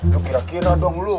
ya kira kira dong lu